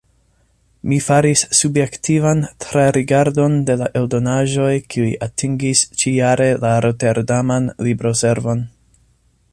Mi faris subjektivan trarigardon de la eldonaĵoj kiuj atingis ĉi-jare la roterdaman libroservon.